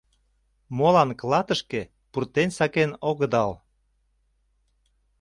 Молан клатышке пуртен сакен огыдал?